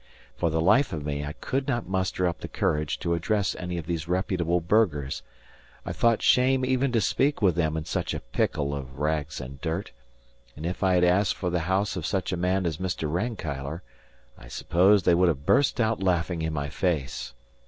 For the life of me I could not muster up the courage to address any of these reputable burghers; I thought shame even to speak with them in such a pickle of rags and dirt; and if I had asked for the house of such a man as Mr. Rankeillor, I suppose they would have burst out laughing in my face.